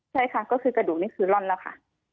ใช่ค่ะก็คือกระดูกนี้คือร่อนแล้วค่ะ